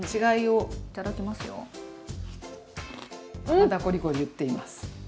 まだコリコリいっています。